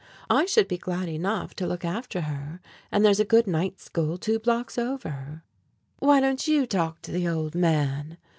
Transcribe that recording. I should be glad enough to look after her, and there's a good night school two blocks over." "Why don't you talk to the old man?"